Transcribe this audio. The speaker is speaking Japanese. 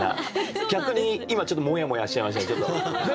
逆に今ちょっとモヤモヤしちゃいました。